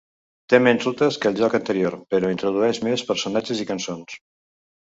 Té menys rutes que el joc anterior, però introdueix més personatges i cançons.